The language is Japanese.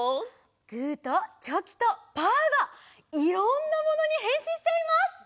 グーとチョキとパーがいろんなものにへんしんしちゃいます！